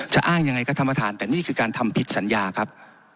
อ้างยังไงก็ท่านประธานแต่นี่คือการทำผิดสัญญาครับ